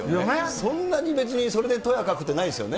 そんなに別に、それでとやかくってないですよね。